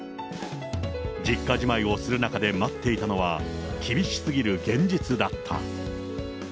実家じまいをする中で、待っていたのは、厳しすぎる現実だった。